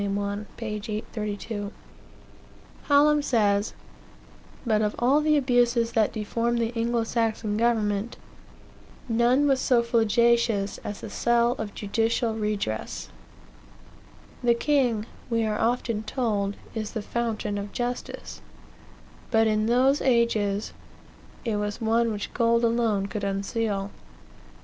1, p. 832. Hallam says: "But of all the abuses that deformed the Anglo Saxon government, none was so flagitious as the sale of judicial redress, The king, we are often told, is the fountain of justice; but in those ages it was one which gold alone could unseal.